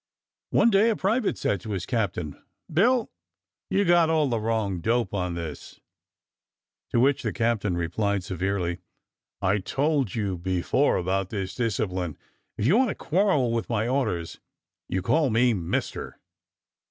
One day a private said to his captain. "Bill, you got all the wrong dope on this," to which the captain replied severely: "I told you before about this discipline if you want to quarrel with my orders, you call me mister."